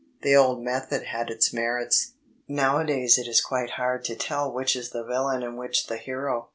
The old method had its merits. Nowadays it is quite hard to tell which is the villain and which the hero.